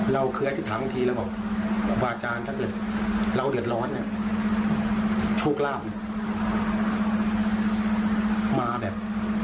เราคือถ้าที่ถามทีเราบอกวาจารย์ถ้าเกิดเราเดือดร้อนเนี่ยโชคล่าวมาแบบ